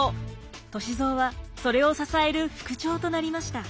歳三はそれを支える副長となりました。